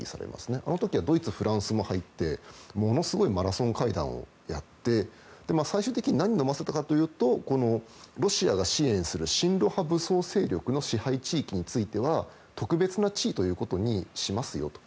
あの時はドイツ、フランスも入ってものすごいマラソン会談をやって最終的に何をのませたかというとロシアが支援する親ロ派武装勢力の支配地域については特別な地位ということにしますよと。